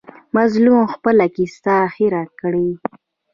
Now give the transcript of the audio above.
مظلوم خپله کیسه هېر کړي.